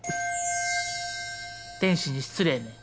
天使に失礼ね。